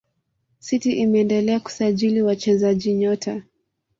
city imeendelea kusajili wachezaji nyota